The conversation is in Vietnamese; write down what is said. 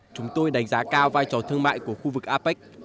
chúng tôi đánh giá cao vai trò thương mại của khu vực apec